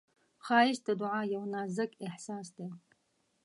ښایست د دعا یو نازک احساس دی